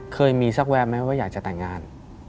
เคยมีสักแวมไหมว่าอยากจะแต่งงาน